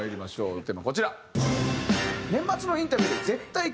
テーマはこちら。